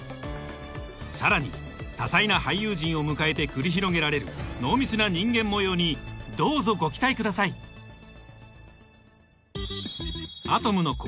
さらに多彩な俳優陣を迎えて繰り広げられる濃密な人間模様にどうぞご期待ください「アトムの童」